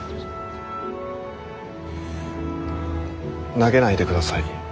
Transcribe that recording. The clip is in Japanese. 投げないでください。